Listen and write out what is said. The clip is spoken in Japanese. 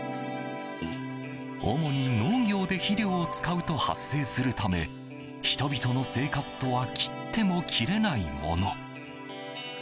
主に、農業で肥料を使うと発生するため人々の生活とは切っても切れないもの。